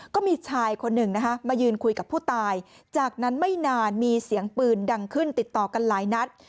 ก็มีชายคนหนึ่งนะคะมายืนคุยกับผู้ตายจากนั้นไม่นานมีเสียงปืนดังขึ้นติดต่อกันหลายนัด